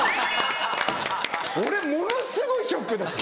俺ものすごいショックだった。